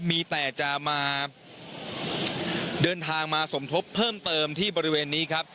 มีแต่จะมาเดินทางมาสมทบเพิ่มเติมที่บริเวณนี้ครับ